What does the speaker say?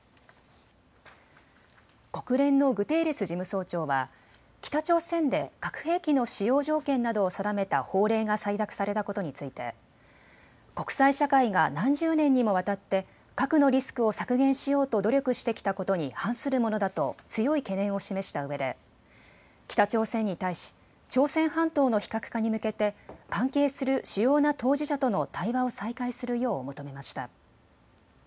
国連のグテーレス事務総長は北朝鮮で核兵器の使用条件などを定めた法令が採択されたことについて国際社会が何十年にもわたって核のリスクを削減しようと努力してきたことに反するものだと強い懸念を示したうえで北朝鮮に対し朝鮮半島の非核化に向けて関係する主要な当事者との対話を再開するよう求めました。